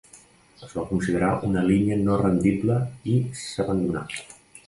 Es va considerar una línia no rendible i s'abandonà.